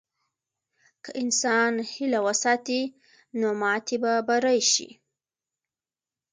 که انسان هیله وساتي، نو ماتې به بری شي.